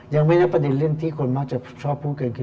ยังไม่นับประเด็นเรื่องที่คนมักจะชอบพูดกันคือ